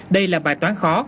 đây là bài toán khó